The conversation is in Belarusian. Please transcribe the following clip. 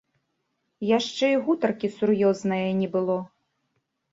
Яшчэ і гутаркі сур'ёзнае не было.